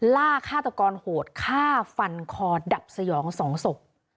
ล่าฆ่าตัวกรโหดฆ่าฟันคอดดับสยอง๒ศพ